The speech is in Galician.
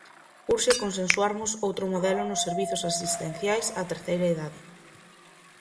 Urxe consensuarmos outro modelo nos servizos asistenciais á terceira idade.